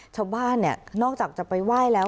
ชาวบ้านเนี่ยนอกจากจะไปไหว้แล้ว